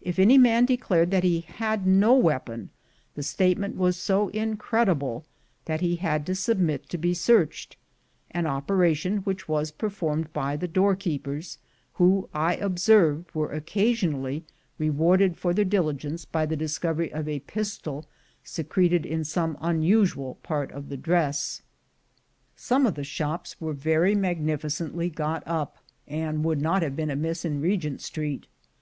If any man declared that he had no weapon, the statement was so in credible that he had to submit to be searched; an operation which was performed by the doorkeepers, who, I observed, were occasionally rewarded for their LIFE AT HIGH SPEED 85 diligence by the discovery of a pistol secreted in some unusual part of the dress. Some of the shops were very magnificently got up, and would not have been amiss in Regent Street.